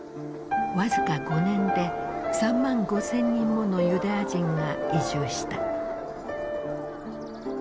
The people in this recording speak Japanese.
僅か５年で３万５，０００人ものユダヤ人が移住した。